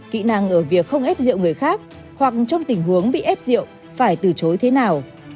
kỹ năng ở việc không ép rượu người khác hoặc trong tình huống bị ép rượu phải từ chối thế nào